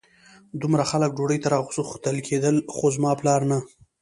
دومره خلک ډوډۍ ته راغوښتل کېدل خو زما پلار نه.